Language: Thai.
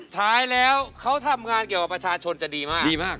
ท้ายแล้วเขาทำงานเกี่ยวกับประชาชนจะดีมากดีมาก